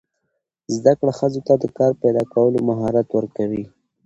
زده کړه ښځو ته د کار پیدا کولو مهارت ورکوي.